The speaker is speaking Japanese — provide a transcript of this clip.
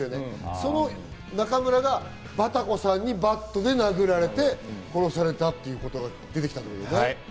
その中村がバタコさんにバットで殴られて、殺されたっていうところが出てきたんだよね。